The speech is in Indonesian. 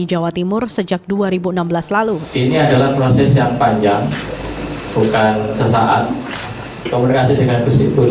kedua kusipul menyerahkan sepenuhnya kepada ketua umum pdi perjuangan megawati soekarno